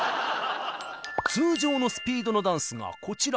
通常のスピードのダンスがこちら。